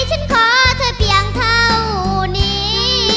ฉันขอเธอเพียงเท่านี้